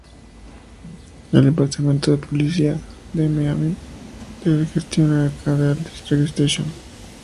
El Departamento de Policía de Miami-Dade gestiona la "Kendall District Station".